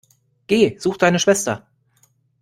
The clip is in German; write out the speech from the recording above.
Geh, such deine Schwester!